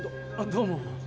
どうも。